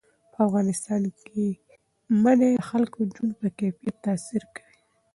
په افغانستان کې منی د خلکو د ژوند په کیفیت تاثیر کوي.